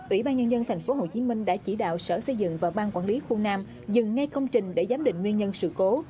ủy ban nhân dân tp hcm đã chỉ đạo sở xây dựng và ban quản lý khu nam dừng ngay công trình để giám định nguyên nhân sự cố